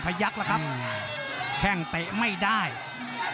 ภูตวรรณสิทธิ์บุญมีน้ำเงิน